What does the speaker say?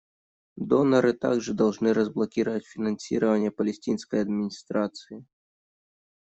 Доноры также должны разблокировать финансирование Палестинской администрации.